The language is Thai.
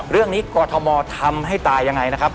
เรื่องนี้กรทมทำให้ตายยังไงนะครับ